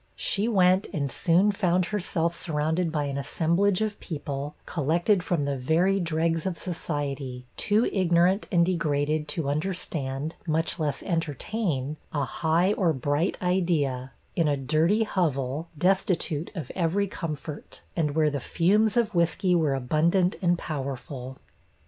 She went, and soon found herself surrounded by an assemblage of people, collected from the very dregs of society, too ignorant and degraded to understand, much less entertain, a high or bright idea, in a dirty hovel, destitute of every comfort, and where the fumes of whiskey were abundant and powerful.